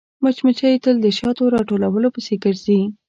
مچمچۍ تل د شاتو راټولولو پسې ګرځي